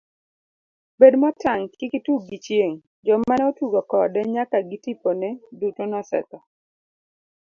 Bed motang' kik itug gi chieng' joma ne otugo kode nyaka gitipone, duto nosetho.